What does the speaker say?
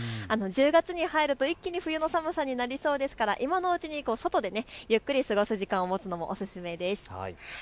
１０月に入ると一気に冬の寒さになりますから今のうち、外でゆっくり過ごす時間を持つのもお勧めです。